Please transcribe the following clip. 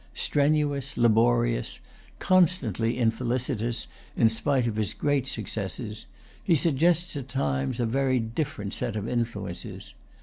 Strenuous, laborious, constantly in felicitous in spite of his great successes, he suggests at times a very different set of influences.